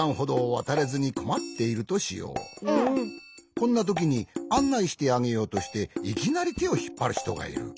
こんなときにあんないしてあげようとしていきなりてをひっぱるひとがいる。